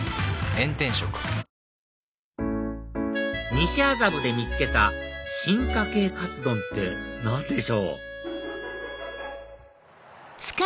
西麻布で見つけた進化系カツ丼って何でしょう？